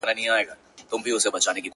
لكه گلاب چي سمال ووهي ويده سمه زه ـ